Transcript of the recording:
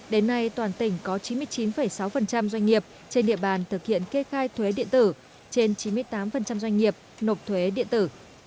đến nay toàn tỉnh có chín mươi chín sáu doanh nghiệp trên địa bàn thực hiện kê khai thuế điện tử trên chín mươi tám doanh nghiệp nộp thuế điện tử